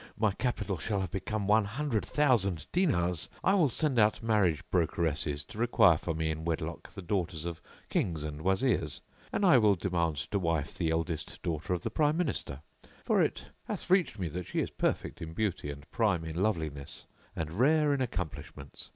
my capital shall have become one hundred thousand[FN#661] dinars, I will send out marriage brokeresses to require for me in wedlock the daughters of Kings and Wazirs; and I will demand to wife the eldest daughter of the Prime Minister; for it hath reached me that she is perfect in beauty and prime in loveliness and rare in accomplishments.